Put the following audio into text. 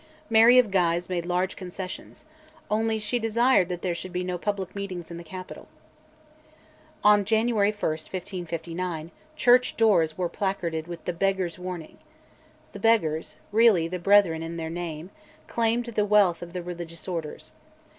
Mary of Guise made large concessions: only she desired that there should be no public meetings in the capital. On January 1, 1559, church doors were placarded with "The Beggars' Warning." The Beggars (really the Brethren in their name) claimed the wealth of the religious orders.